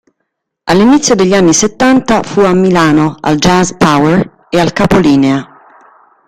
All'inizio degli anni settanta fu a Milano al Jazz Power e al Capolinea.